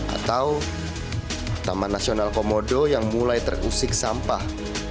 atau taman nasional komodo yang mulai terusik sampah